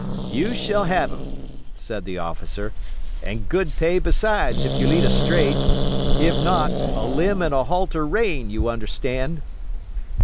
"You shall have 'em," said the officer, "and good pay besides, if you lead us straight; if not, a limb and a halter rein; you understand?"